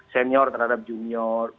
senior terhadap junior